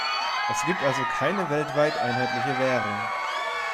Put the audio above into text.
Es gibt also keine weltweit einheitliche Währung.